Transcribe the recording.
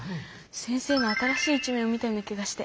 先生の新しい一面を見たような気がして。